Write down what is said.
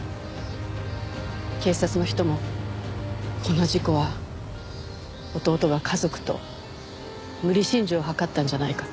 警察の人もこの事故は弟が家族と無理心中を図ったんじゃないかと。